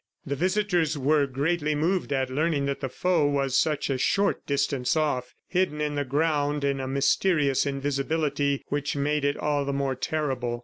The visitors were greatly moved at learning that the foe was such a short distance off, hidden in the ground in a mysterious invisibility which made it all the more terrible.